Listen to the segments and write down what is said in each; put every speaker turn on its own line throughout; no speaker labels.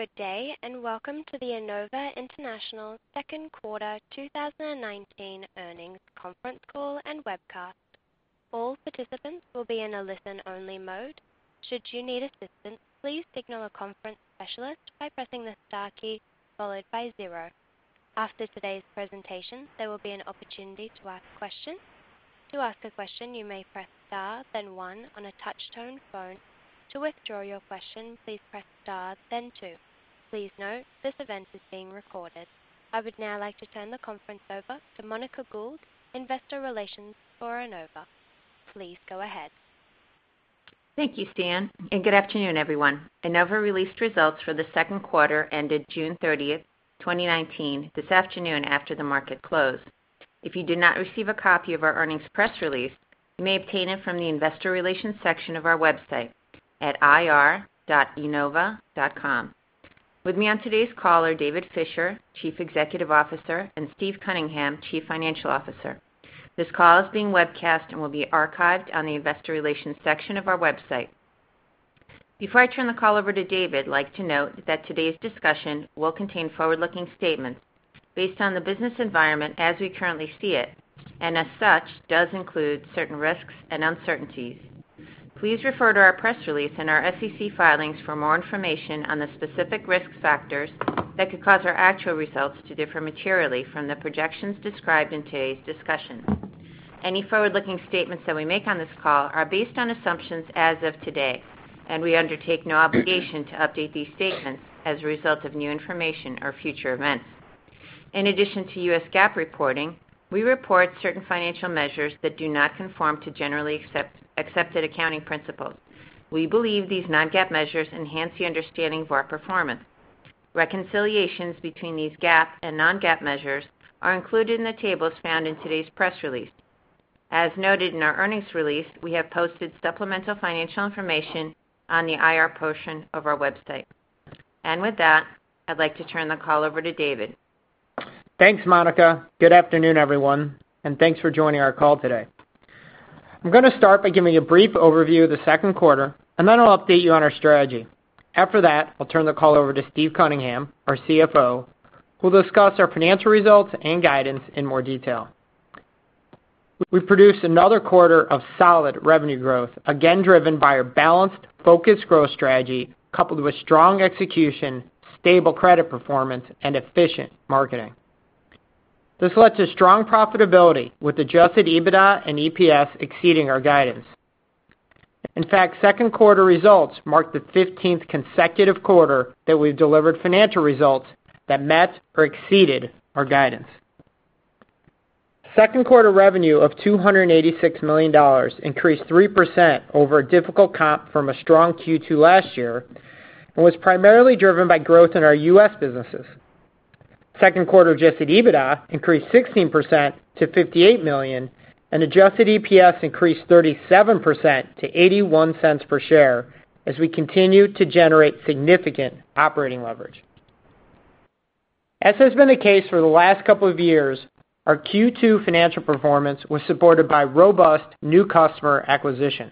Good day. Welcome to the Enova International second quarter 2019 earnings conference call and webcast. All participants will be in a listen-only mode. Should you need assistance, please signal a conference specialist by pressing the star key followed by zero. After today's presentation, there will be an opportunity to ask questions. To ask a question, you may press star, then one on a touch-tone phone. To withdraw your question, please press star, then two. Please note, this event is being recorded. I would now like to turn the conference over to Monica Gould, investor relations for Enova. Please go ahead.
Thank you, Stan, and good afternoon, everyone. Enova released results for the second quarter ended June 30th, 2019, this afternoon after the market closed. If you did not receive a copy of our earnings press release, you may obtain it from the investor relations section of our website at ir.enova.com. With me on today's call are David Fisher, Chief Executive Officer, and Steve Cunningham, Chief Financial Officer. This call is being webcast and will be archived on the investor relations section of our website. Before I turn the call over to David, I'd like to note that today's discussion will contain forward-looking statements based on the business environment as we currently see it, and as such, does include certain risks and uncertainties. Please refer to our press release and our SEC filings for more information on the specific risk factors that could cause our actual results to differ materially from the projections described in today's discussion. Any forward-looking statements that we make on this call are based on assumptions as of today, and we undertake no obligation to update these statements as a result of new information or future events. In addition to U.S. GAAP reporting, we report certain financial measures that do not conform to generally accepted accounting principles. We believe these non-GAAP measures enhance the understanding of our performance. Reconciliations between these GAAP and non-GAAP measures are included in the tables found in today's press release. As noted in our earnings release, we have posted supplemental financial information on the IR portion of our website. With that, I'd like to turn the call over to David.
Thanks, Monica. Good afternoon, everyone. Thanks for joining our call today. I'm going to start by giving a brief overview of the second quarter. Then I'll update you on our strategy. After that, I'll turn the call over to Steve Cunningham, our CFO, who'll discuss our financial results and guidance in more detail. We've produced another quarter of solid revenue growth, again driven by our balanced focused growth strategy coupled with strong execution, stable credit performance, and efficient marketing. This led to strong profitability with adjusted EBITDA and EPS exceeding our guidance. In fact, second quarter results marked the 15th consecutive quarter that we've delivered financial results that met or exceeded our guidance. Second quarter revenue of $286 million increased 3% over a difficult comp from a strong Q2 last year, was primarily driven by growth in our U.S. businesses. Second quarter adjusted EBITDA increased 16% to $58 million, adjusted EPS increased 37% to $0.81 per share as we continue to generate significant operating leverage. As has been the case for the last couple of years, our Q2 financial performance was supported by robust new customer acquisition.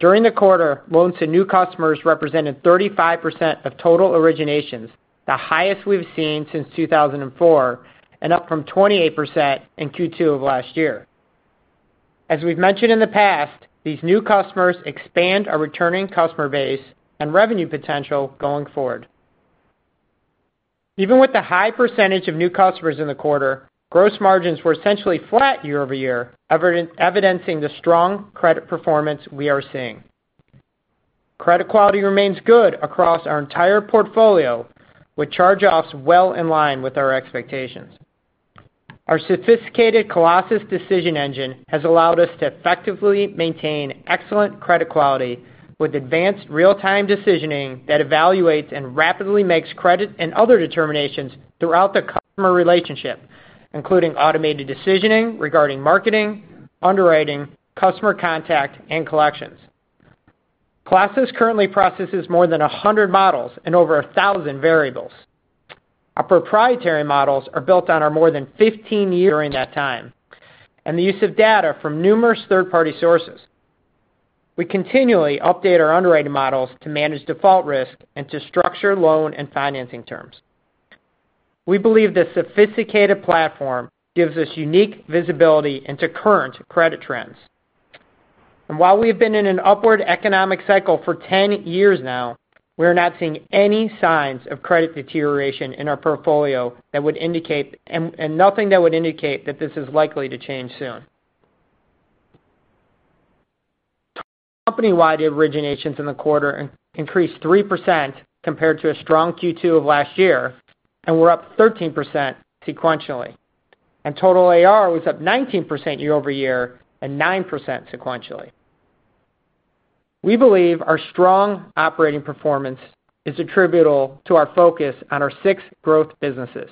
During the quarter, loans to new customers represented 35% of total originations, the highest we've seen since 2004, up from 28% in Q2 of last year. As we've mentioned in the past, these new customers expand our returning customer base and revenue potential going forward. Even with the high percentage of new customers in the quarter, gross margins were essentially flat year-over-year, evidencing the strong credit performance we are seeing. Credit quality remains good across our entire portfolio with charge-offs well in line with our expectations. Our sophisticated Colossus decision engine has allowed us to effectively maintain excellent credit quality with advanced real-time decisioning that evaluates and rapidly makes credit and other determinations throughout the customer relationship, including automated decisioning regarding marketing, underwriting, customer contact, and collections. Colossus currently processes more than 100 models and over 1,000 variables. Our proprietary models are built on our more than 15 year- During that time, and the use of data from numerous third-party sources. We continually update our underwriting models to manage default risk and to structure loan and financing terms. We believe this sophisticated platform gives us unique visibility into current credit trends. While we have been in an upward economic cycle for 10 years now, we are not seeing any signs of credit deterioration in our portfolio and nothing that would indicate that this is likely to change soon. Company-wide originations in the quarter increased 3% compared to a strong Q2 of last year and were up 13% sequentially. Total AR was up 19% year-over-year and 9% sequentially. We believe our strong operating performance is attributable to our focus on our six growth businesses,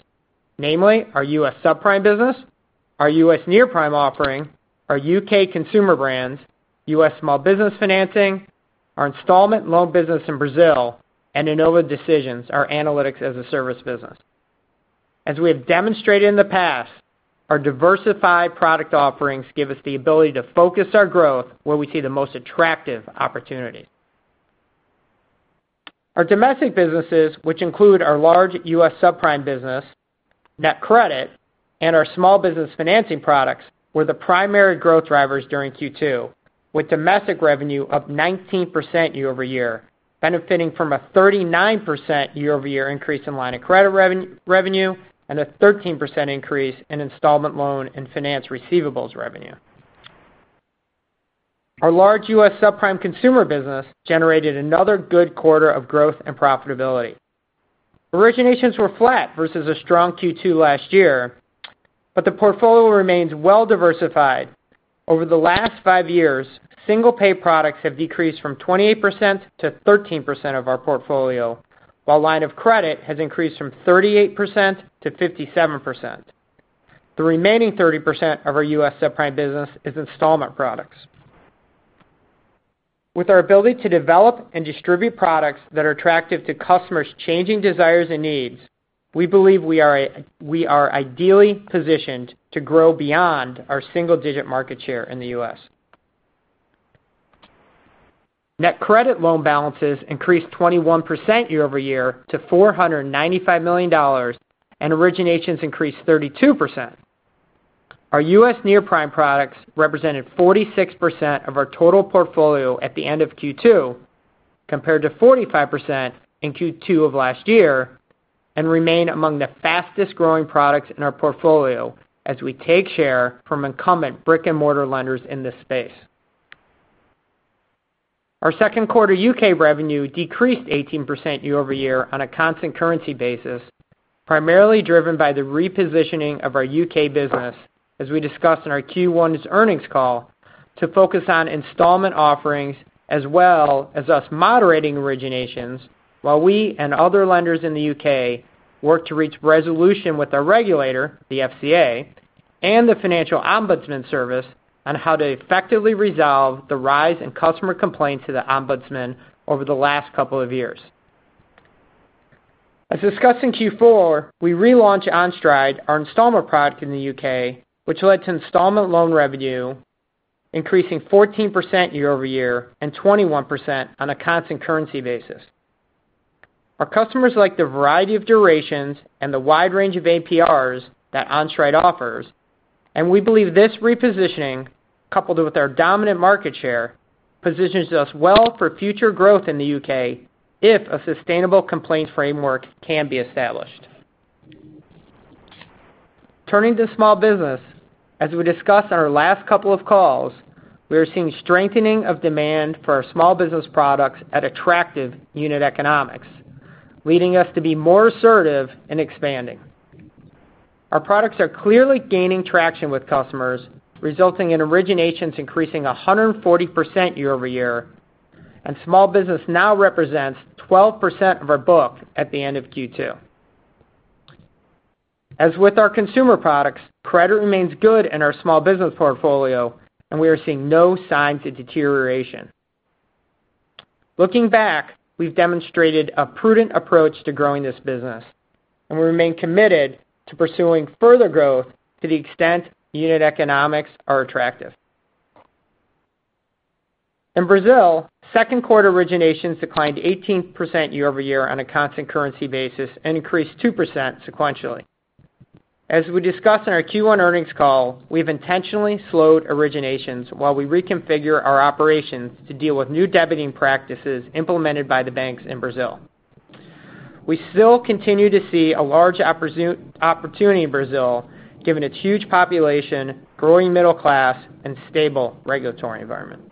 namely our U.S. subprime business, our U.S. near-prime offering, our U.K. consumer brands, U.S. small business financing, our installment loan business in Brazil, and Enova Decisions, our analytics-as-a-service business. As we have demonstrated in the past, our diversified product offerings give us the ability to focus our growth where we see the most attractive opportunities. Our domestic businesses, which include our large U.S. subprime business, NetCredit, and our small business financing products, were the primary growth drivers during Q2, with domestic revenue up 19% year-over-year, benefiting from a 39% year-over-year increase in line of credit revenue, and a 13% increase in installment loan and finance receivables revenue. Our large U.S. subprime consumer business generated another good quarter of growth and profitability. Originations were flat versus a strong Q2 last year, but the portfolio remains well-diversified. Over the last five years, single-pay products have decreased from 28%-13% of our portfolio, while line of credit has increased from 38%-57%. The remaining 30% of our U.S. subprime business is installment products. With our ability to develop and distribute products that are attractive to customers' changing desires and needs, we believe we are ideally positioned to grow beyond our single-digit market share in the U.S. NetCredit loan balances increased 21% year-over-year to $495 million, and originations increased 32%. Our U.S. near-prime products represented 46% of our total portfolio at the end of Q2, compared to 45% in Q2 of last year, and remain among the fastest-growing products in our portfolio as we take share from incumbent brick-and-mortar lenders in this space. Our second quarter U.K. revenue decreased 18% year-over-year on a constant currency basis, primarily driven by the repositioning of our U.K. business, as we discussed in our Q1 earnings call, to focus on installment offerings, as well as us moderating originations while we and other lenders in the U.K. work to reach resolution with the regulator, the FCA, and the Financial Ombudsman Service on how to effectively resolve the rise in customer complaints to the Ombudsman over the last couple of years. As discussed in Q4, we relaunched OnStride, our installment product in the U.K., which led to installment loan revenue increasing 14% year-over-year, and 21% on a constant currency basis. Our customers like the variety of durations and the wide range of APRs that OnStride offers. We believe this repositioning, coupled with our dominant market share, positions us well for future growth in the U.K. if a sustainable complaint framework can be established. Turning to small business, as we discussed on our last couple of calls, we are seeing strengthening of demand for our small business products at attractive unit economics, leading us to be more assertive in expanding. Our products are clearly gaining traction with customers, resulting in originations increasing 140% year-over-year. Small business now represents 12% of our book at the end of Q2. As with our consumer products, credit remains good in our small business portfolio. We are seeing no signs of deterioration. Looking back, we've demonstrated a prudent approach to growing this business, and we remain committed to pursuing further growth to the extent unit economics are attractive. In Brazil, second quarter originations declined 18% year-over-year on a constant currency basis and increased 2% sequentially. As we discussed in our Q1 earnings call, we've intentionally slowed originations while we reconfigure our operations to deal with new debiting practices implemented by the banks in Brazil. We still continue to see a large opportunity in Brazil, given its huge population, growing middle class, and stable regulatory environment.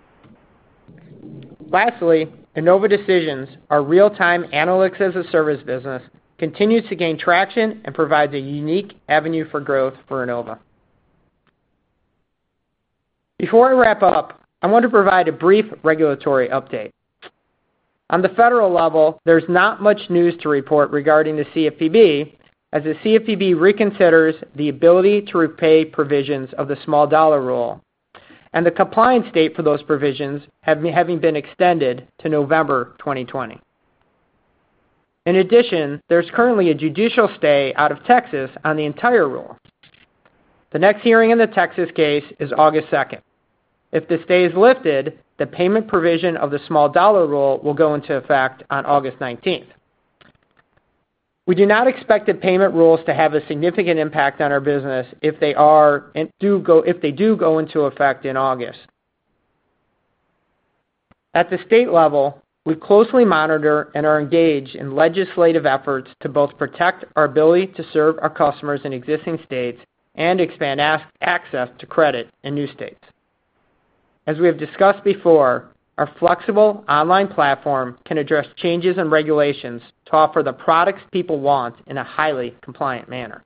Lastly, Enova Decisions, our real-time analytics-as-a-service business, continues to gain traction and provides a unique avenue for growth for Enova. Before I wrap up, I want to provide a brief regulatory update. On the federal level, there's not much news to report regarding the CFPB, as the CFPB reconsiders the ability to repay provisions of the Small Dollar Rule, and the compliance date for those provisions having been extended to November 2020. In addition, there's currently a judicial stay out of Texas on the entire rule. The next hearing in the Texas case is August 2nd. If the stay is lifted, the payment provision of the Small Dollar Rule will go into effect on August 19th. We do not expect the payment rules to have a significant impact on our business if they do go into effect in August. At the state level, we closely monitor and are engaged in legislative efforts to both protect our ability to serve our customers in existing states and expand access to credit in new states. As we have discussed before, our flexible online platform can address changes in regulations to offer the products people want in a highly compliant manner.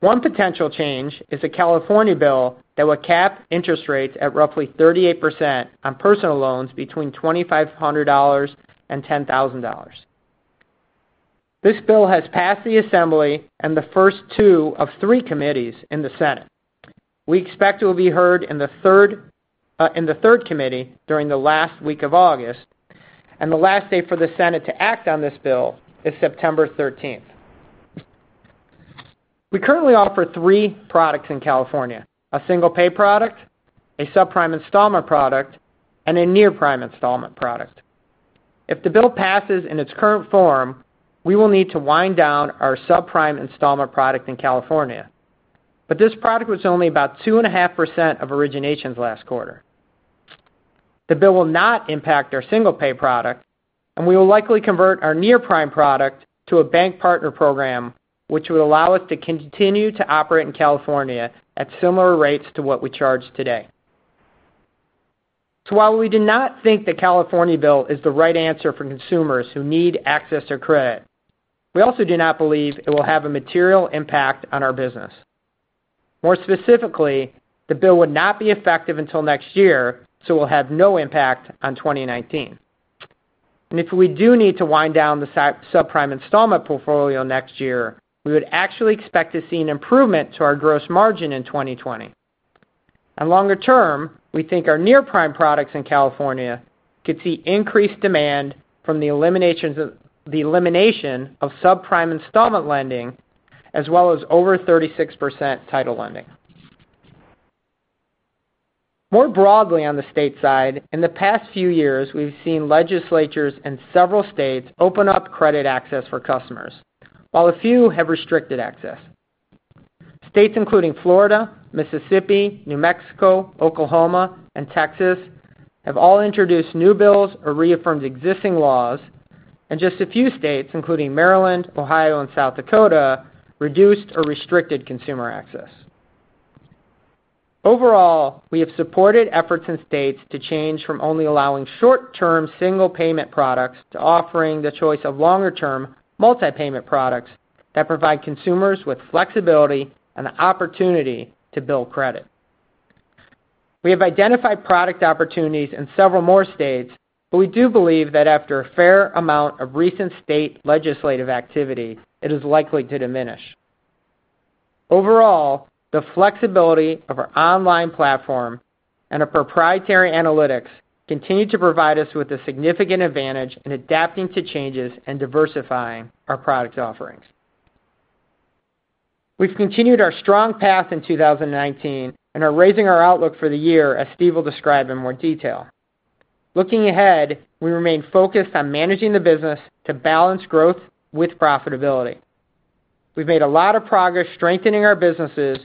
One potential change is a California bill that would cap interest rates at roughly 38% on personal loans between $2,500 and $10,000. This bill has passed the assembly and the first two of three committees in the Senate. We expect it will be heard in the third committee during the last week of August. The last day for the Senate to act on this bill is September 13th. We currently offer three products in California, a single-pay product, a subprime installment product, and a near-prime installment product. This product was only about 2.5% of originations last quarter. The bill will not impact our single-pay product, and we will likely convert our near-prime product to a bank partner program, which will allow us to continue to operate in California at similar rates to what we charge today. While we do not think the California bill is the right answer for consumers who need access to credit, we also do not believe it will have a material impact on our business. More specifically, the bill would not be effective until next year, so will have no impact on 2019. If we do need to wind down the subprime installment portfolio next year, we would actually expect to see an improvement to our gross margin in 2020. Longer term, we think our near-prime products in California could see increased demand from the elimination of subprime installment lending as well as over 36% title lending. More broadly on the state side, in the past few years, we've seen legislatures in several states open up credit access for customers. While a few have restricted access. States including Florida, Mississippi, New Mexico, Oklahoma, and Texas have all introduced new bills or reaffirmed existing laws. Just a few states, including Maryland, Ohio, and South Dakota, reduced or restricted consumer access. Overall, we have supported efforts in states to change from only allowing short-term single-payment products to offering the choice of longer-term multi-payment products that provide consumers with flexibility and the opportunity to build credit. We have identified product opportunities in several more states, but we do believe that after a fair amount of recent state legislative activity, it is likely to diminish. Overall, the flexibility of our online platform and our proprietary analytics continue to provide us with a significant advantage in adapting to changes and diversifying our product offerings. We've continued our strong path in 2019 and are raising our outlook for the year, as Steve will describe in more detail. Looking ahead, we remain focused on managing the business to balance growth with profitability. We've made a lot of progress strengthening our businesses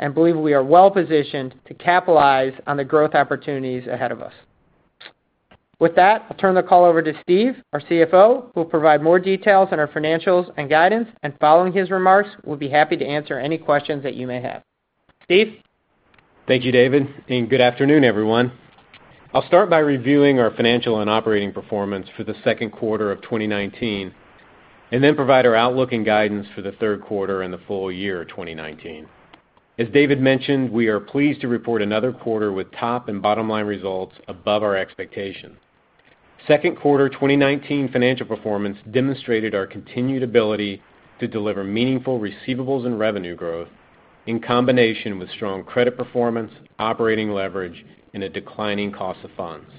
and believe we are well-positioned to capitalize on the growth opportunities ahead of us. With that, I'll turn the call over to Steve, our CFO, who will provide more details on our financials and guidance. Following his remarks, we'll be happy to answer any questions that you may have. Steve?
Thank you, David, and good afternoon, everyone. I'll start by reviewing our financial and operating performance for the second quarter of 2019 and then provide our outlook and guidance for the third quarter and the full year of 2019. As David mentioned, we are pleased to report another quarter with top and bottom-line results above our expectations. Second quarter 2019 financial performance demonstrated our continued ability to deliver meaningful receivables and revenue growth in combination with strong credit performance, operating leverage, and a declining cost of funds.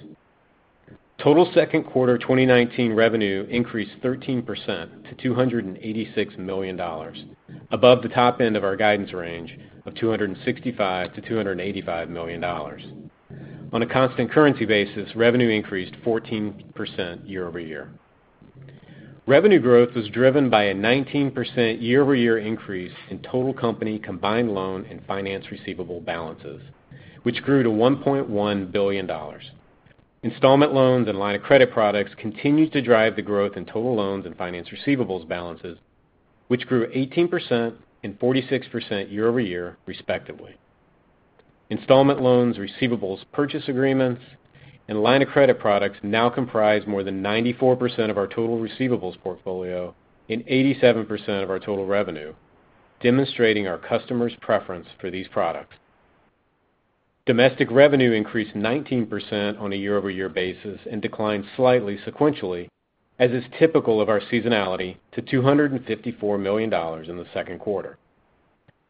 Total second quarter 2019 revenue increased 13% to $286 million, above the top end of our guidance range of $265 million-$285 million. On a constant currency basis, revenue increased 14% year-over-year. Revenue growth was driven by a 19% year-over-year increase in total company combined loan and finance receivable balances, which grew to $1.1 billion. Installment loans and line of credit products continued to drive the growth in total loans and finance receivables balances, which grew 18% and 46% year-over-year, respectively. Installment loans, receivables purchase agreements, and line of credit products now comprise more than 94% of our total receivables portfolio and 87% of our total revenue, demonstrating our customers' preference for these products. Domestic revenue increased 19% on a year-over-year basis and declined slightly sequentially, as is typical of our seasonality, to $254 million in the second quarter.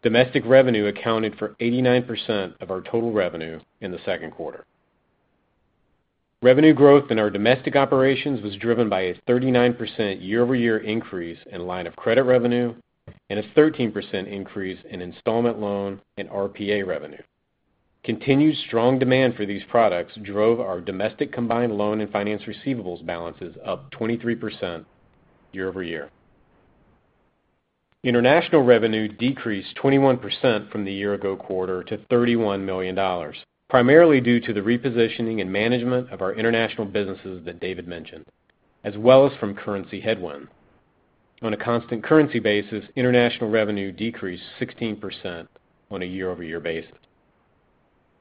Domestic revenue accounted for 89% of our total revenue in the second quarter. Revenue growth in our domestic operations was driven by a 39% year-over-year increase in line of credit revenue and a 13% increase in installment loan and RPA revenue. Continued strong demand for these products drove our domestic combined loan and finance receivables balances up 23% year-over-year. International revenue decreased 21% from the year-ago quarter to $31 million, primarily due to the repositioning and management of our international businesses that David mentioned, as well as from currency headwinds. On a constant currency basis, international revenue decreased 16% on a year-over-year basis.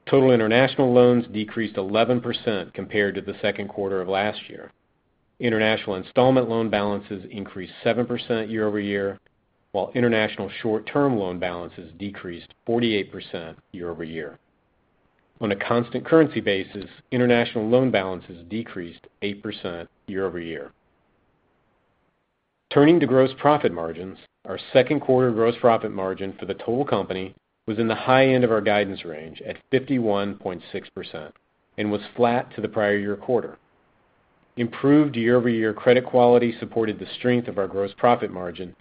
Total international loans decreased 11% compared to the second quarter of last year. International installment loan balances increased 7% year-over-year, while international short-term loan balances decreased 48% year-over-year. On a constant currency basis, international loan balances decreased 8% year-over-year. Turning to gross profit margins, our second quarter gross profit margin for the total company was in the high end of our guidance range at 51.6%, and was flat to the prior year quarter. Improved year-over-year credit quality supported the strength of our gross profit margin,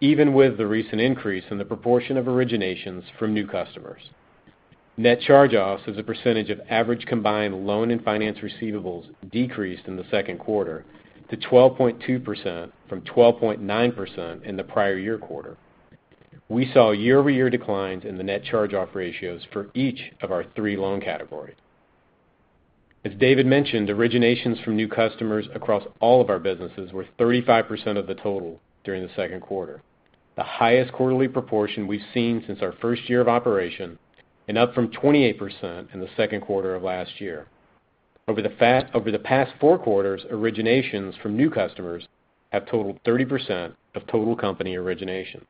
even with the recent increase in the proportion of originations from new customers. Net charge-offs as a percentage of average combined loan and finance receivables decreased in the second quarter to 12.2% from 12.9% in the prior year quarter. We saw year-over-year declines in the net charge-off ratios for each of our three loan categories. As David mentioned, originations from new customers across all of our businesses were 35% of the total during the second quarter, the highest quarterly proportion we've seen since our first year of operation, and up from 28% in the second quarter of last year. Over the past four quarters, originations from new customers have totaled 30% of total company origination.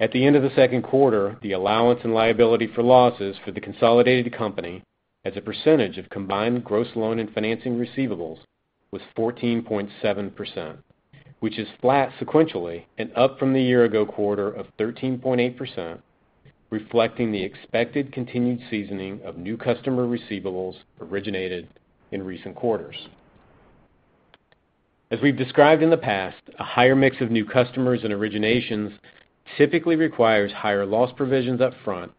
At the end of the second quarter, the allowance and liability for losses for the consolidated company as a percentage of combined gross loan and financing receivables was 14.7%, which is flat sequentially and up from the year-ago quarter of 13.8%, reflecting the expected continued seasoning of new customer receivables originated in recent quarters. As we've described in the past, a higher mix of new customers and originations typically requires higher loss provisions upfront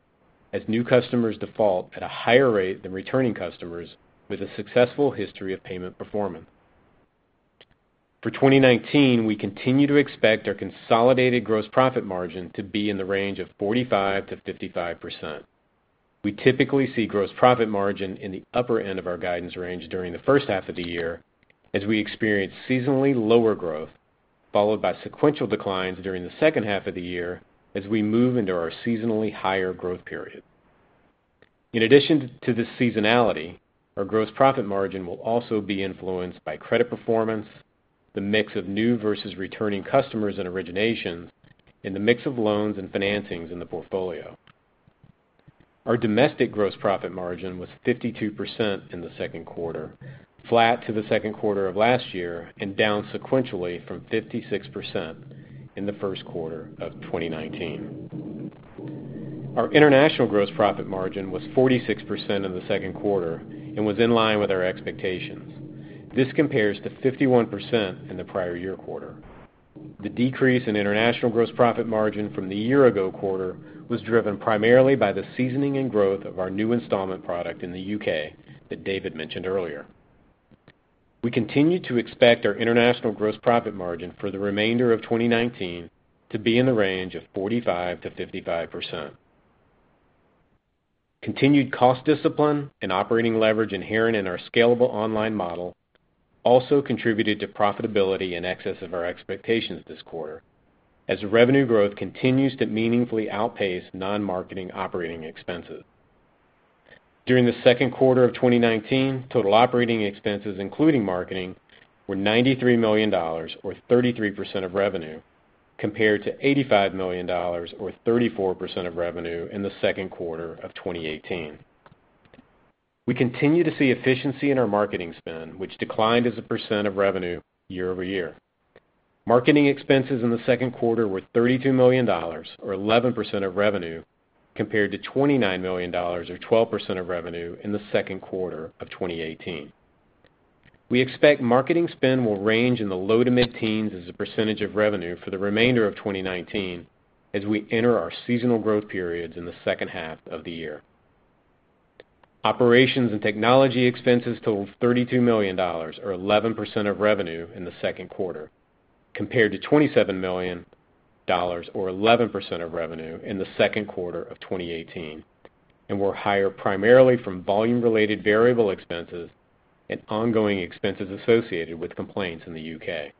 as new customers default at a higher rate than returning customers with a successful history of payment performance. For 2019, we continue to expect our consolidated gross profit margin to be in the range of 45%-55%. We typically see gross profit margin in the upper end of our guidance range during the first half of the year as we experience seasonally lower growth, followed by sequential declines during the second half of the year as we move into our seasonally higher growth period. In addition to the seasonality, our gross profit margin will also be influenced by credit performance, the mix of new versus returning customers and originations, and the mix of loans and financings in the portfolio. Our domestic gross profit margin was 52% in the second quarter, flat to the second quarter of last year and down sequentially from 56% in the first quarter of 2019. Our international gross profit margin was 46% in the second quarter and was in line with our expectations. This compares to 51% in the prior year quarter. The decrease in international gross profit margin from the year ago quarter was driven primarily by the seasoning and growth of our new installment product in the U.K. that David mentioned earlier. We continue to expect our international gross profit margin for the remainder of 2019 to be in the range of 45%-55%. Continued cost discipline and operating leverage inherent in our scalable online model also contributed to profitability in excess of our expectations this quarter, as revenue growth continues to meaningfully outpace non-marketing operating expenses. During the second quarter of 2019, total operating expenses, including marketing, were $93 million, or 33% of revenue, compared to $85 million or 34% of revenue in the second quarter of 2018. We continue to see efficiency in our marketing spend, which declined as a percent of revenue year-over-year. Marketing expenses in the second quarter were $32 million, or 11% of revenue, compared to $29 million or 12% of revenue in the second quarter of 2018. We expect marketing spend will range in the low to mid-teens as a percentage of revenue for the remainder of 2019 as we enter our seasonal growth periods in the second half of the year. Operations and technology expenses totaled $32 million or 11% of revenue in the second quarter, compared to $27 million or 11% of revenue in the second quarter of 2018, and were higher primarily from volume-related variable expenses and ongoing expenses associated with complaints in the U.K.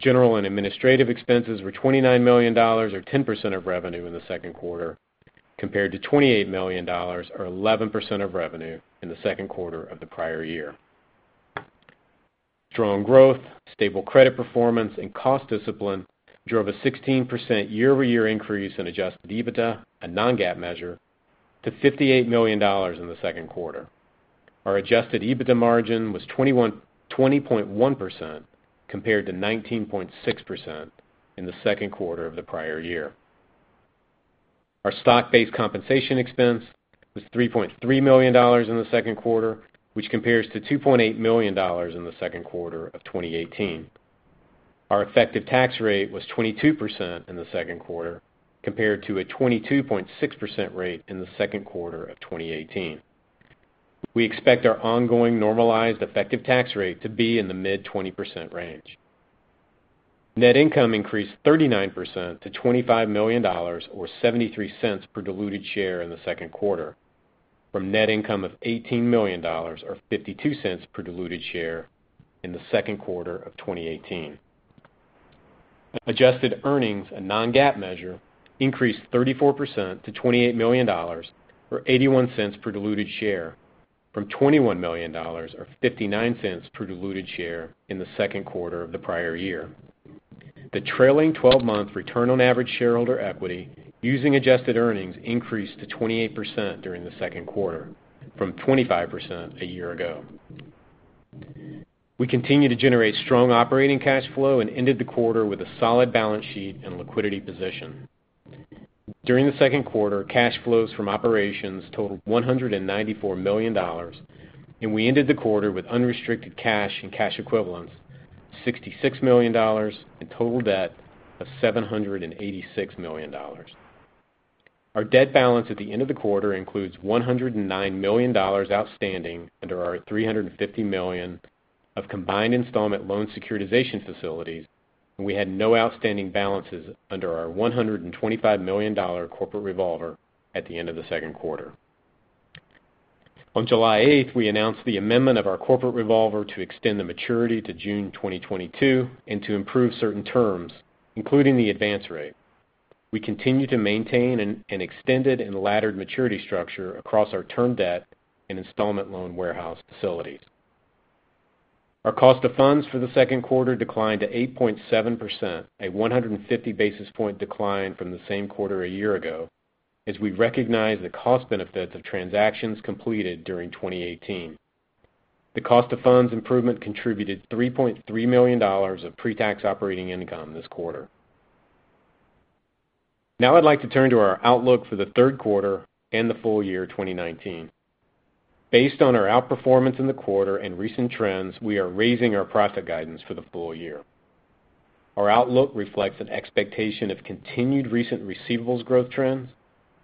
General and administrative expenses were $29 million or 10% of revenue in the second quarter, compared to $28 million or 11% of revenue in the second quarter of the prior year. Strong growth, stable credit performance, and cost discipline drove a 16% year-over-year increase in adjusted EBITDA, a non-GAAP measure, to $58 million in the second quarter. Our adjusted EBITDA margin was 20.1%, compared to 19.6% in the second quarter of the prior year. Our stock-based compensation expense was $3.3 million in the second quarter, which compares to $2.8 million in the second quarter of 2018. Our effective tax rate was 22% in the second quarter, compared to a 22.6% rate in the second quarter of 2018. We expect our ongoing normalized effective tax rate to be in the mid-20% range. Net income increased 39% to $25 million, or $0.73 per diluted share in the second quarter, from net income of $18 million or $0.52 per diluted share in the second quarter of 2018. Adjusted earnings, a non-GAAP measure, increased 34% to $28 million or $0.81 per diluted share from $21 million or $0.59 per diluted share in the second quarter of the prior year. The trailing 12-month return on average shareholder equity using adjusted earnings increased to 28% during the second quarter from 25% a year ago. We continue to generate strong operating cash flow and ended the quarter with a solid balance sheet and liquidity position. During the second quarter, cash flows from operations totaled $194 million, and we ended the quarter with unrestricted cash and cash equivalents, $66 million, and total debt of $786 million. Our debt balance at the end of the quarter includes $109 million outstanding under our $350 million of combined installment loan securitization facilities, and we had no outstanding balances under our $125 million corporate revolver at the end of the second quarter. On July 8th, we announced the amendment of our corporate revolver to extend the maturity to June 2022 and to improve certain terms, including the advance rate. We continue to maintain an extended and laddered maturity structure across our term debt and installment loan warehouse facilities. Our cost of funds for the second quarter declined to 8.7%, a 150-basis-point decline from the same quarter a year ago, as we recognize the cost benefits of transactions completed during 2018. The cost of funds improvement contributed $3.3 million of pre-tax operating income this quarter. Now I'd like to turn to our outlook for the third quarter and the full year 2019. Based on our outperformance in the quarter and recent trends, we are raising our profit guidance for the full year. Our outlook reflects an expectation of continued recent receivables growth trends,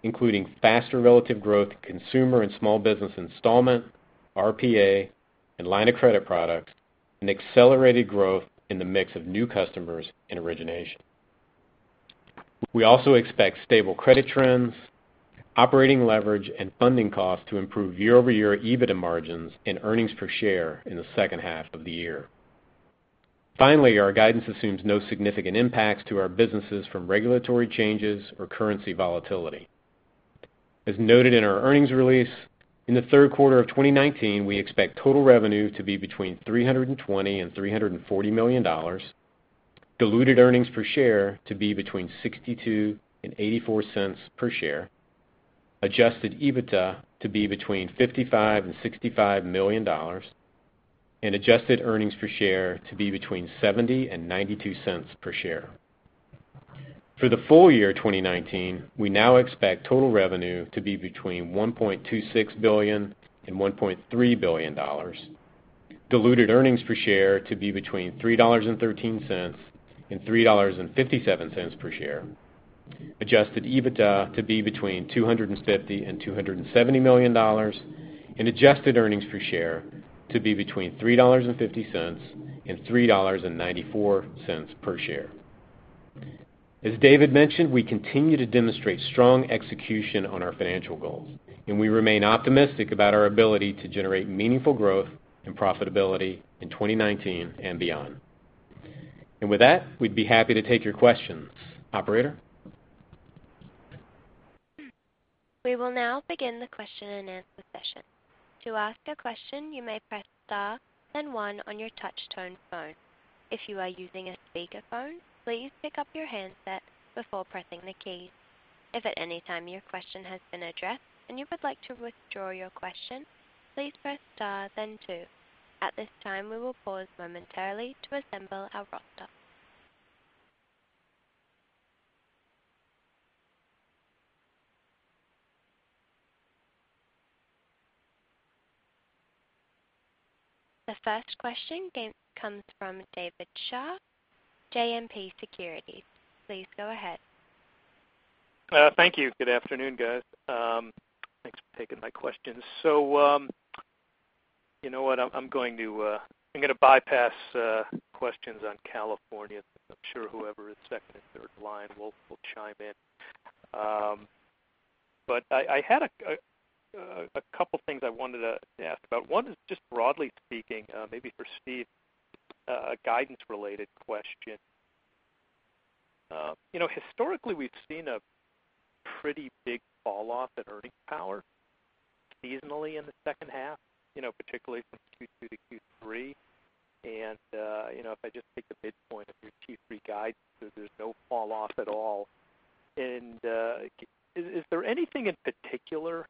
including faster relative growth in consumer and small business installment, RPA, and line of credit products, and accelerated growth in the mix of new customers in origination. We also expect stable credit trends, operating leverage, and funding costs to improve year-over-year EBITDA margins and earnings per share in the second half of the year. Finally, our guidance assumes no significant impacts to our businesses from regulatory changes or currency volatility. As noted in our earnings release, in the third quarter of 2019, we expect total revenue to be between $320 million and $340 million, diluted earnings per share to be between $0.62 and $0.84 per share, adjusted EBITDA to be between $55 million and $65 million, and adjusted earnings per share to be between $0.70 and $0.92 per share. For the full year 2019, we now expect total revenue to be between $1.26 billion and $1.3 billion, diluted earnings per share to be between $3.13 and $3.57 per share, adjusted EBITDA to be between $250 million and $270 million, and adjusted earnings per share to be between $3.50 and $3.94 per share. As David mentioned, we continue to demonstrate strong execution on our financial goals, and we remain optimistic about our ability to generate meaningful growth and profitability in 2019 and beyond. With that, we'd be happy to take your questions. Operator?
We will now begin the question-and-answer session. To ask a question, you may press star, then one on your touch-tone phone. If you are using a speakerphone, please pick up your handset before pressing the key. If at any time your question has been addressed and you would like to withdraw your question, please press star, then two. At this time, we will pause momentarily to assemble our roster. The first question comes from David Scharf, JMP Securities. Please go ahead.
Thank you. Good afternoon, guys. Thanks for taking my questions. You know what? I'm going to bypass questions on California. I'm sure whoever is second and third line will chime in. I had a couple of things I wanted to ask about. One is just broadly speaking, maybe for Steve, a guidance-related question. Historically, we've seen a pretty big fall off in earning power seasonally in the second half, particularly from Q2 to Q3. If I just take the midpoint of your Q3 guidance, there's no fall off at all. Is there anything in particular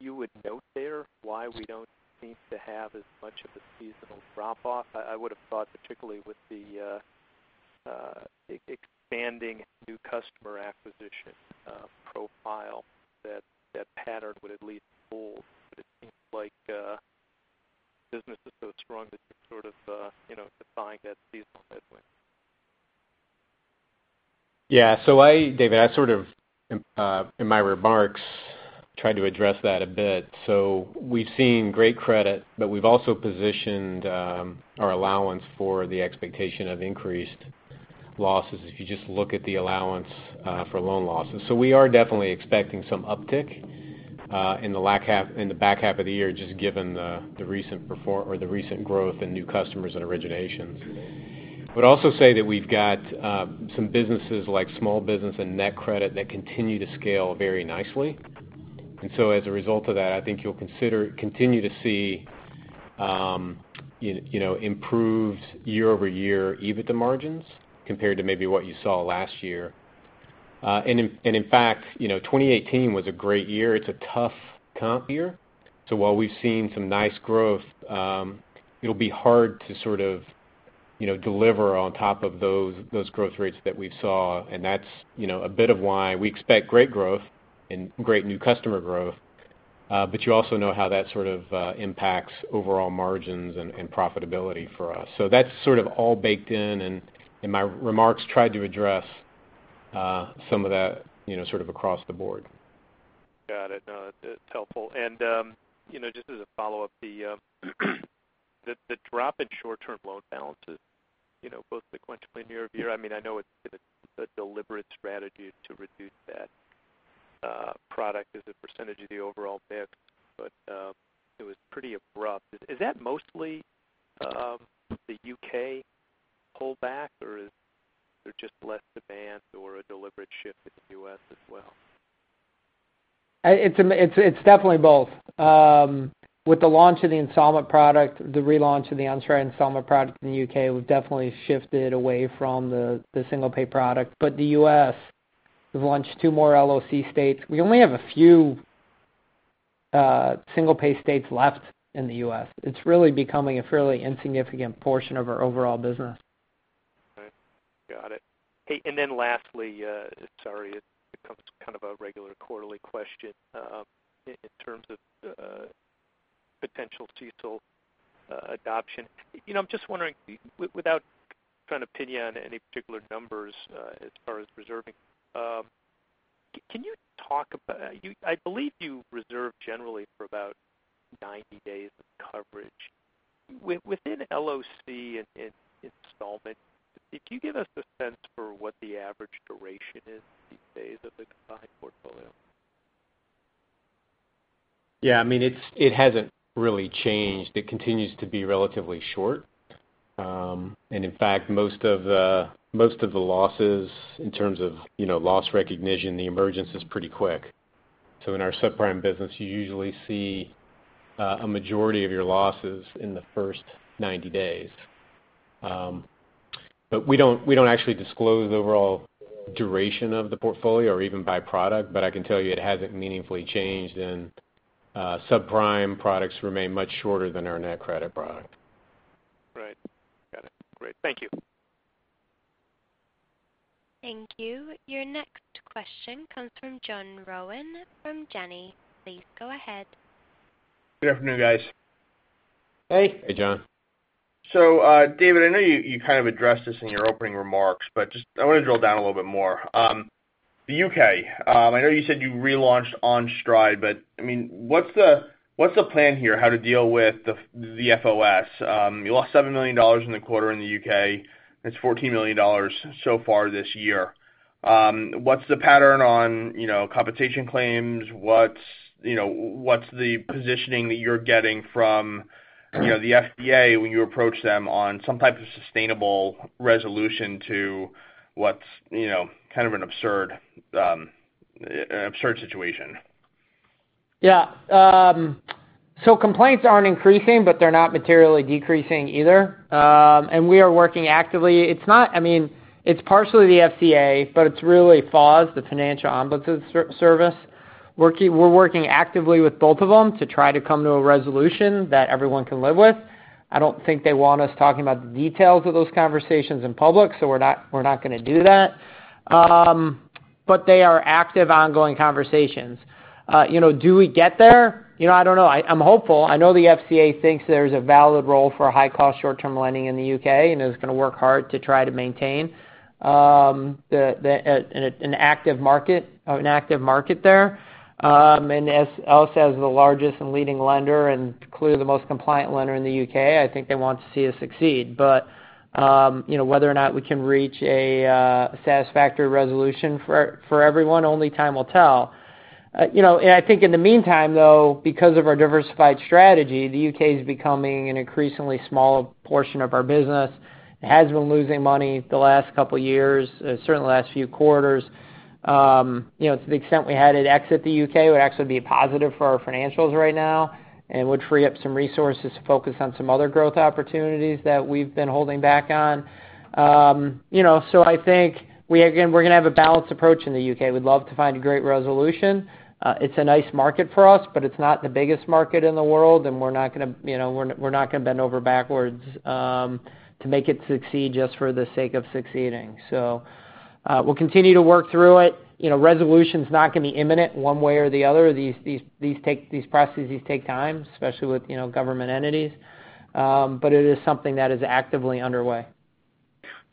you would note there why we don't seem to have as much of a seasonal drop off? I would have thought, particularly with the expanding new customer acquisition profile, that that pattern would at least hold. It seems like business is so strong that you're sort of defying that seasonal headwind.
Yeah. David, I sort of in my remarks tried to address that a bit. We've seen great credit, but we've also positioned our allowance for the expectation of increased losses if you just look at the allowance for loan losses. We are definitely expecting some uptick in the back half of the year just given the recent growth in new customers and originations. I'd also say that we've got some businesses like small business and NetCredit that continue to scale very nicely. As a result of that, I think you'll continue to see improved year-over-year EBITDA margins compared to maybe what you saw last year. In fact, 2018 was a great year. It's a tough comp year. While we've seen some nice growth, it'll be hard to deliver on top of those growth rates that we saw. That's a bit of why we expect great growth and great new customer growth. You also know how that sort of impacts overall margins and profitability for us. That's sort of all baked in, and my remarks tried to address some of that, sort of across the board.
Got it. No, it's helpful. Just as a follow-up, the drop in short-term loan balances, both sequentially and year-over-year, I know it's been a deliberate strategy to reduce that product as a percentage of the overall mix, but it was pretty abrupt. Is that mostly the U.K. pullback, or is there just less demand or a deliberate shift in the U.S. as well?
It's definitely both. With the launch of the installment product, the relaunch of the OnStride installment product in the U.K., we've definitely shifted away from the single pay product. The U.S., we've launched two more LOC states. We only have a few single pay states left in the U.S. It's really becoming a fairly insignificant portion of our overall business.
Right. Got it. Hey, lastly, sorry, it becomes kind of a regular quarterly question in terms of potential CECL adoption. I'm just wondering, without trying to pin you on any particular numbers as far as reserving, I believe you reserve generally for about 90 days of coverage. Within LOC and installment, could you give us a sense for what the average duration is these days of the combined portfolio?
Yeah. It hasn't really changed. It continues to be relatively short. In fact, most of the losses in terms of loss recognition, the emergence is pretty quick. In our subprime business, you usually see a majority of your losses in the first 90 days. We don't actually disclose the overall duration of the portfolio or even by product. I can tell you it hasn't meaningfully changed, and subprime products remain much shorter than our NetCredit product.
Right. Got it. Great. Thank you.
Thank you. Your next question comes from John Rowan from Janney. Please go ahead.
Good afternoon, guys.
Hey.
Hey, John.
David, I know you kind of addressed this in your opening remarks, I want to drill down a little bit more. The U.K., I know you said you relaunched OnStride, what's the plan here, how to deal with the FOS? You lost $7 million in the quarter in the U.K. It's $14 million so far this year. What's the pattern on compensation claims? What's the positioning that you're getting from the FCA when you approach them on some type of sustainable resolution to what's kind of an absurd situation?
Yeah. Complaints aren't increasing, but they're not materially decreasing either. We are working actively. It's partially the FCA, but it's really FOS, the Financial Ombudsman Service. We're working actively with both of them to try to come to a resolution that everyone can live with. I don't think they want us talking about the details of those conversations in public, we're not going to do that. They are active, ongoing conversations. Do we get there? I don't know. I'm hopeful. I know the FCA thinks there's a valid role for high-cost short-term lending in the U.K. and is going to work hard to try to maintain an active market there. As Enova's the largest and leading lender and clearly the most compliant lender in the U.K., I think they want to see us succeed. Whether or not we can reach a satisfactory resolution for everyone, only time will tell. I think in the meantime, though, because of our diversified strategy, the U.K. is becoming an increasingly small portion of our business. It has been losing money the last couple of years, certainly the last few quarters. To the extent we had it exit the U.K., it would actually be a positive for our financials right now and would free up some resources to focus on some other growth opportunities that we've been holding back on. I think we're going to have a balanced approach in the U.K. We'd love to find a great resolution. It's a nice market for us, but it's not the biggest market in the world, and we're not going to bend over backwards to make it succeed just for the sake of succeeding. We'll continue to work through it. Resolution's not going to be imminent one way or the other. These processes take time, especially with government entities. It is something that is actively underway.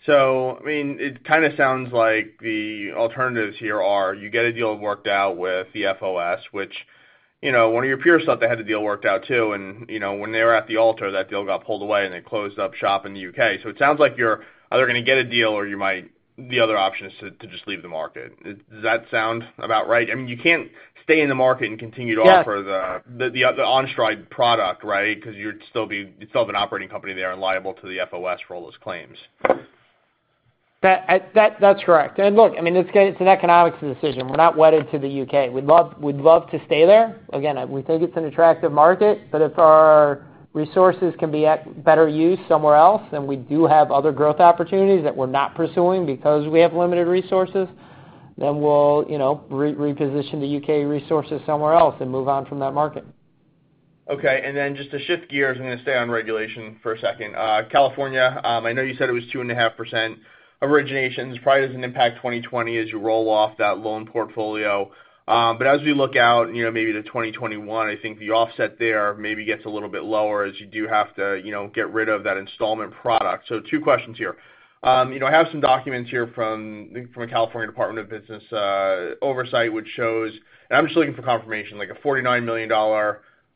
It kind of sounds like the alternatives here are you get a deal worked out with the FOS, which one of your peers thought they had the deal worked out too, and when they were at the altar, that deal got pulled away, and they closed up shop in the U.K. It sounds like you're either going to get a deal or the other option is to just leave the market. Does that sound about right? You can't stay in the market and continue to offer?
Yeah
the OnStride product, right? Because you'd still have an operating company there and liable to the FOS for all those claims.
That's correct. Look, it's an economics decision. We're not wedded to the U.K. We'd love to stay there. We think it's an attractive market, but if our resources can be at better use somewhere else, then we do have other growth opportunities that we're not pursuing because we have limited resources, then we'll reposition the U.K. resources somewhere else and move on from that market.
Just to shift gears, I'm going to stay on regulation for a second. California, I know you said it was 2.5% originations. Probably doesn't impact 2020 as you roll off that loan portfolio. As we look out maybe to 2021, I think the offset there maybe gets a little bit lower as you do have to get rid of that installment product. Two questions here. I have some documents here from the California Department of Business Oversight. I'm just looking for confirmation, like a $49 million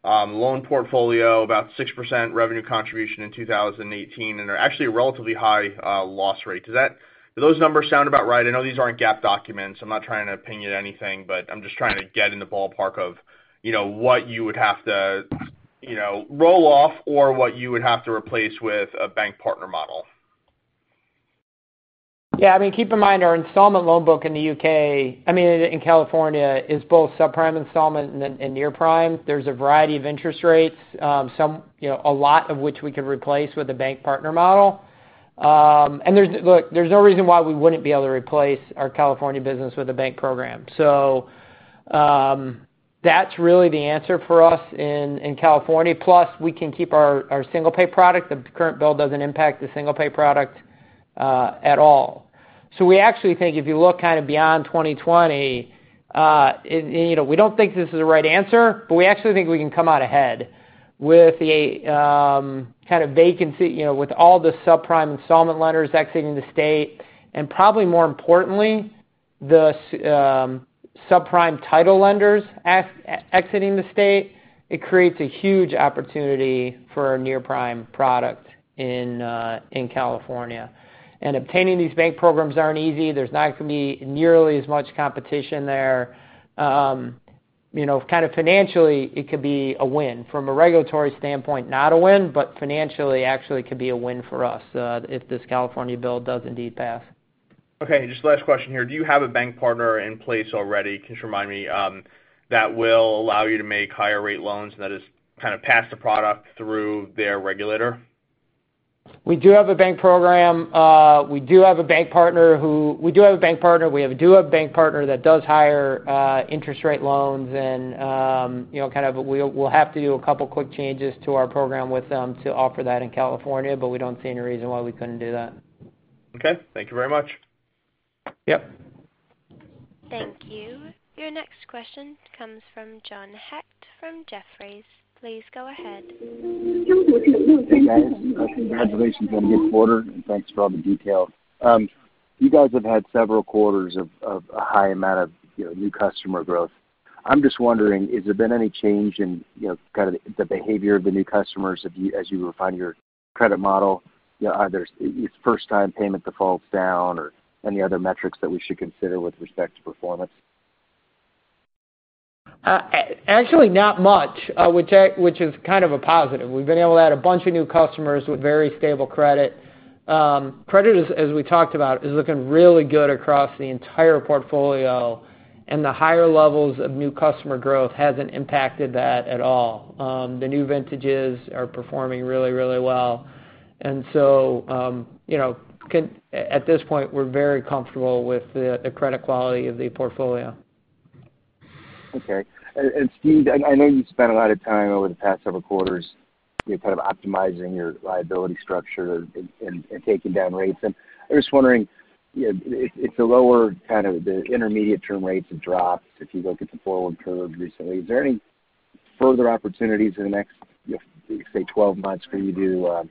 loan portfolio, about 6% revenue contribution in 2018, and are actually a relatively high loss rate. Do those numbers sound about right? I know these aren't GAAP documents. I'm not trying to ping you anything, but I'm just trying to get in the ballpark of what you would have to roll off or what you would have to replace with a bank partner model.
Keep in mind, our installment loan book in California is both subprime installment and near-prime. There's a variety of interest rates, a lot of which we could replace with a bank partner program. Look, there's no reason why we wouldn't be able to replace our California business with a bank program. That's really the answer for us in California. We can keep our single pay product. The current bill doesn't impact the single pay product at all. We actually think if you look kind of beyond 2020, we don't think this is the right answer, but we actually think we can come out ahead with the kind of vacancy, with all the subprime installment lenders exiting the state, and probably more importantly, the subprime title lenders exiting the state. It creates a huge opportunity for a near-prime product in California. Obtaining these bank programs aren't easy. There's not going to be nearly as much competition there. Kind of financially, it could be a win. From a regulatory standpoint, not a win, but financially, actually, could be a win for us, if this California bill does indeed pass.
Okay, just last question here. Do you have a bank partner in place already? Can you just remind me, that will allow you to make higher rate loans, and that is kind of pass the product through their regulator?
We do have a bank program. We do have a bank partner. We do have a bank partner that does higher interest rate loans, and we'll have to do a couple of quick changes to our program with them to offer that in California, but we don't see any reason why we couldn't do that.
Okay. Thank you very much.
Yep.
Thank you. Your next question comes from John Hecht from Jefferies. Please go ahead.
Hey, guys. Congratulations on a good quarter, and thanks for all the detail. You guys have had several quarters of a high amount of new customer growth. I'm just wondering, has there been any change in kind of the behavior of the new customers as you refine your credit model, either first time payment defaults down or any other metrics that we should consider with respect to performance?
Actually, not much. Which is kind of a positive. We've been able to add a bunch of new customers with very stable credit. Credit, as we talked about, is looking really good across the entire portfolio. The higher levels of new customer growth hasn't impacted that at all. The new vintages are performing really well. At this point, we're very comfortable with the credit quality of the portfolio.
Okay. Steve, I know you've spent a lot of time over the past several quarters kind of optimizing your liability structure and taking down rates. I'm just wondering, if the lower kind of the intermediate term rates have dropped, if you look at the forward curve recently, is there any further opportunities in the next, say 12 months, for you to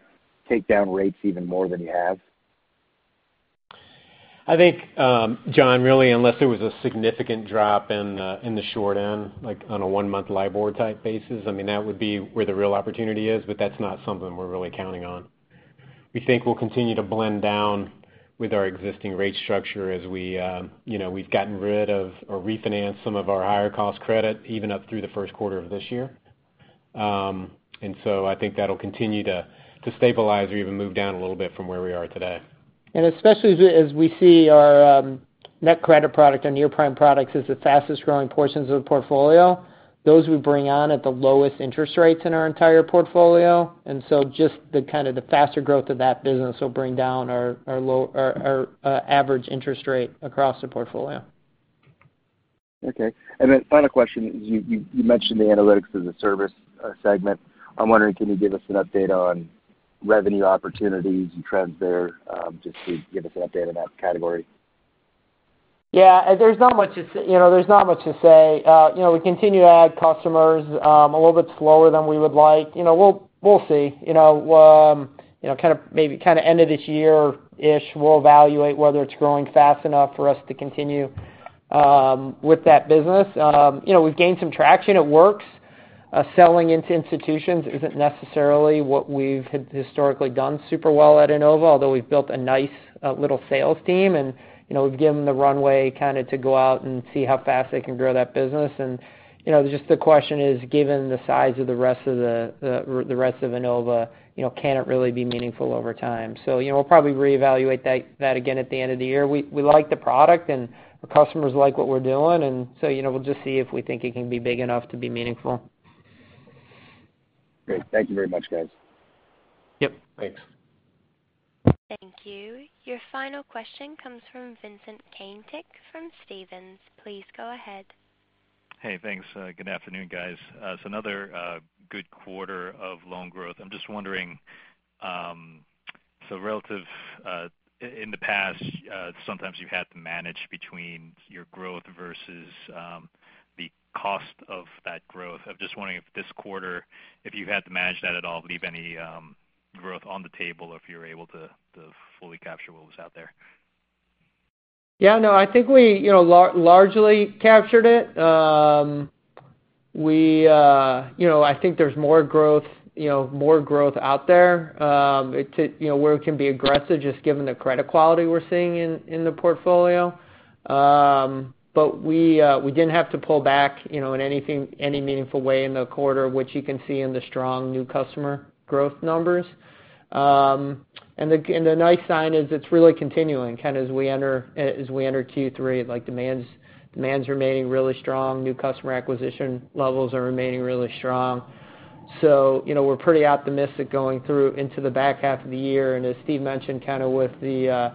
take down rates even more than you have?
I think, John, really, unless there was a significant drop in the short end, like on a one-month LIBOR type basis, I mean, that would be where the real opportunity is, but that's not something we're really counting on. We think we'll continue to blend down with our existing rate structure as we've gotten rid of or refinanced some of our higher cost credit, even up through the first quarter of this year. I think that'll continue to stabilize or even move down a little bit from where we are today.
Especially as we see our NetCredit product and near-prime products as the fastest growing portions of the portfolio. Those we bring on at the lowest interest rates in our entire portfolio. Just the kind of the faster growth of that business will bring down our average interest rate across the portfolio.
Okay. Final question. You mentioned the analytics-as-a-service segment. I'm wondering, can you give us an update on revenue opportunities and trends there? Just to give us an update on that category.
There's not much to say. We continue to add customers, a little bit slower than we would like. We'll see. Maybe kind of end of this year-ish, we'll evaluate whether it's growing fast enough for us to continue with that business. We've gained some traction. It works. Selling into institutions isn't necessarily what we've historically done super well at Enova, although we've built a nice little sales team, and we've given them the runway to go out and see how fast they can grow that business. Just the question is, given the size of the rest of Enova, can it really be meaningful over time? We'll probably reevaluate that again at the end of the year. We like the product, and the customers like what we're doing, we'll just see if we think it can be big enough to be meaningful.
Great. Thank you very much, guys.
Yep.
Thanks.
Thank you. Your final question comes from Vincent Caintic from Stephens. Please go ahead.
Hey, thanks. Good afternoon, guys. Another good quarter of loan growth. I'm just wondering, in the past, sometimes you've had to manage between your growth versus the cost of that growth. I'm just wondering if this quarter, if you've had to manage that at all, leave any growth on the table if you're able to fully capture what was out there.
Yeah, no, I think we largely captured it. I think there's more growth out there. Where we can be aggressive, just given the credit quality we're seeing in the portfolio. We didn't have to pull back in any meaningful way in the quarter, which you can see in the strong new customer growth numbers. The nice sign is it's really continuing as we enter Q3. Demand's remaining really strong. New customer acquisition levels are remaining really strong. We're pretty optimistic going through into the back half of the year. As Steve mentioned, with the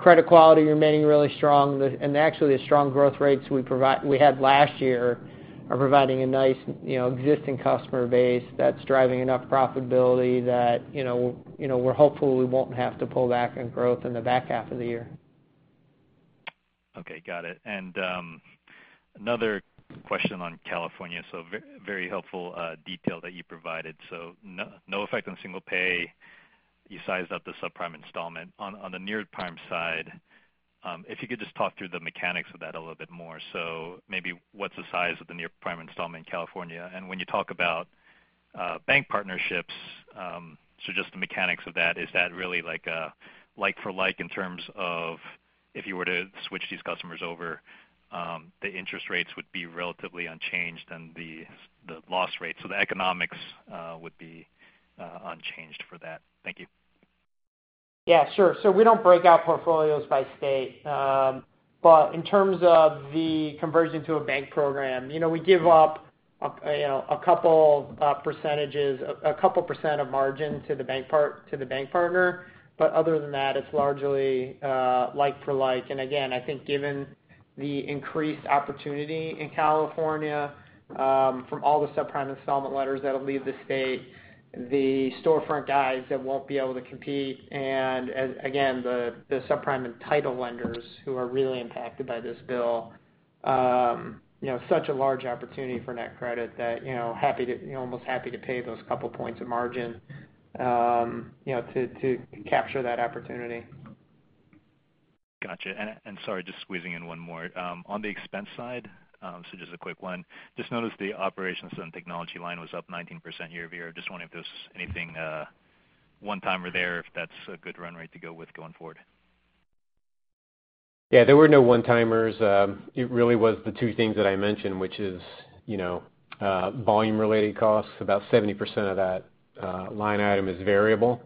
credit quality remaining really strong and actually the strong growth rates we had last year are providing a nice existing customer base that's driving enough profitability that we're hopeful we won't have to pull back on growth in the back half of the year.
Okay, got it. Another question on California. Very helpful detail that you provided. No effect on single pay. You sized up the subprime installment. On the near-prime side, if you could just talk through the mechanics of that a little bit more. Maybe what's the size of the near-prime installment in California? When you talk about bank partnerships, just the mechanics of that, is that really like a like-for-like in terms of if you were to switch these customers over, the interest rates would be relatively unchanged and the loss rates or the economics would be unchanged for that? Thank you.
Yeah, sure. We don't break out portfolios by state. In terms of the conversion to a bank program, we give up a couple percentages of margin to the bank partner. Again, I think given the increased opportunity in California, from all the subprime installment lenders that'll leave the state, the storefront guys that won't be able to compete, and again, the subprime and title lenders who are really impacted by this bill. Such a large opportunity for NetCredit that almost happy to pay those couple points of margin to capture that opportunity.
Got you. Sorry, just squeezing in one more. On the expense side, just a quick one. Just noticed the operations and technology line was up 19% year-over-year. I'm just wondering if there's anything one-timer there if that's a good run rate to go with going forward?
There were no one-timers. It really was the two things that I mentioned, which is volume-related costs. About 70% of that line item is variable.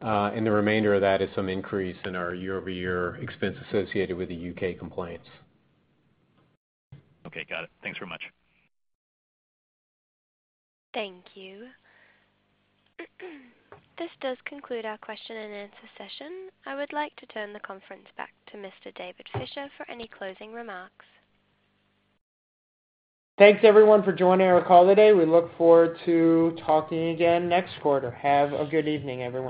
The remainder of that is some increase in our year-over-year expense associated with the U.K. compliance.
Okay, got it. Thanks very much.
Thank you. This does conclude our question-and-answer session. I would like to turn the conference back to Mr. David Fisher for any closing remarks.
Thanks everyone for joining our call today. We look forward to talking again next quarter. Have a good evening, everyone.